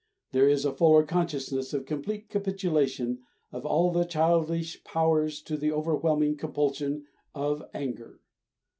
There is a fuller consciousness of complete capitulation of all the childish powers to the overwhelming compulsion of anger.